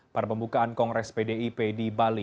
pada pembukaan kongres pdip di bali